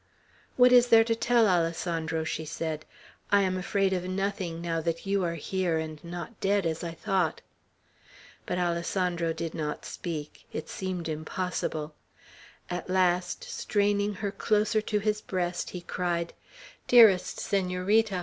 "What is there to tell, Alessandro?" she said. "I am afraid of nothing, now that you are here, and not dead, as I thought." But Alessandro did not speak. It seemed impossible. At last, straining her closer to his breast, he cried: "Dearest Senorita!